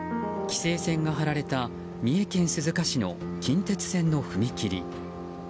規制線が張られた三重県鈴鹿市の近鉄線の踏切。